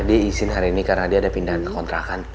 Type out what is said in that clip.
dia isin hari ini karena dia ada pindahan kontrakan